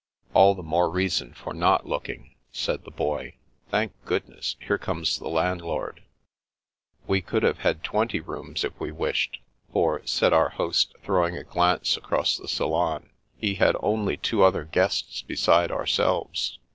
" All the more reason for not looking," said the Boy. " Thank goodness, here comes the landlord." We could have had twenty rooms if we wished, for, said our host, throwing a glance across the salon, he had only two other guests besides ourselves.